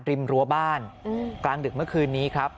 รั้วบ้านกลางดึกเมื่อคืนนี้ครับ